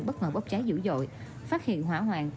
bất ngờ bốc cháy dữ dội phát hiện hỏa hoạn